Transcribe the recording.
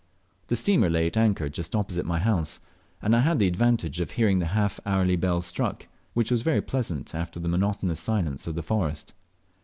The steamer lay at anchor just opposite my house, and I had the advantage of hearing the half hourly bells struck, which was very pleasant after the monotonous silence of the forest.